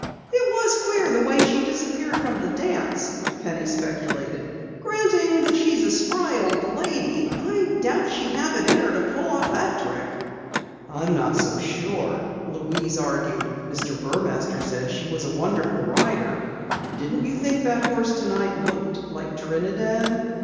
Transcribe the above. "It was queer the way she disappeared from the dance," Penny speculated. "Granting that she's a spry old lady, I doubt she'd have it in her to pull off the trick." "I'm not so sure," Louise argued. "Mr. Burmaster said she was a wonderful rider. Didn't you think that horse tonight looked like Trinidad?"